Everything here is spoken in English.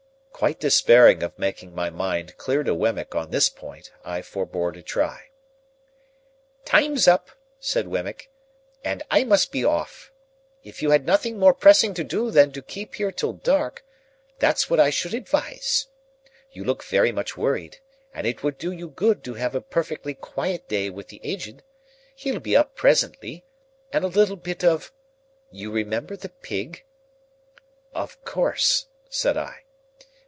Quite despairing of making my mind clear to Wemmick on this point, I forbore to try. "Time's up," said Wemmick, "and I must be off. If you had nothing more pressing to do than to keep here till dark, that's what I should advise. You look very much worried, and it would do you good to have a perfectly quiet day with the Aged,—he'll be up presently,—and a little bit of—you remember the pig?" "Of course," said I.